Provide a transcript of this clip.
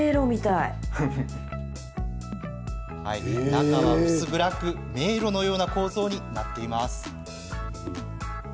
中は薄暗く迷路のような構造になっています。